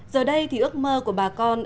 giờ đây thì ước mơ của bà con